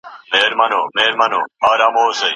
ما له ډېر وخت راهیسې د دې سفر پلان جوړ کړی و.